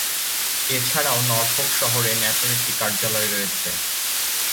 এছাড়াও নরফোক শহরে ন্যাটোর একটি কার্যালয় রয়েছে।